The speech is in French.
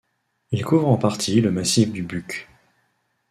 Il couvre en partie le massif du Bükk.